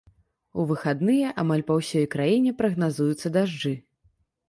У выхадныя амаль па ўсёй краіне прагназуюцца дажджы.